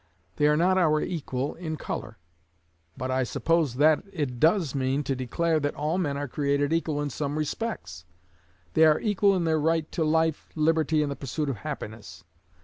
They are not our equal in color. But I suppose that it does mean to declare that all men are created equal in some respects; they are equal in their right to 'life, liberty, and the pursuit of happiness.'